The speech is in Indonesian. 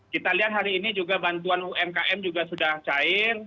kita lihat hari ini juga bantuan umkm juga sudah cair